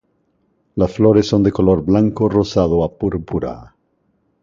Las flores son de color blanco-rosado a púrpura.